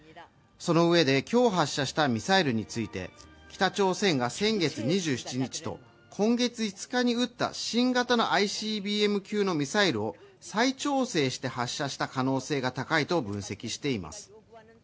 そのうえで、今日発射したミサイルについて北朝鮮が先月２７日と、今月５日に撃った新型のＩＣＢＭ級のミサイルを再調整して発射した可能性が高いと分析しています。